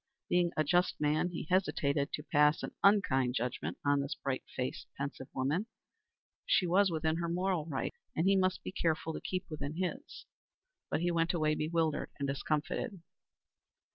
Being a just man, he hesitated to pass an unkind judgment on this bright faced, pensive woman. She was within her moral rights, and he must be careful to keep within his. But he went away bewildered and discomfited.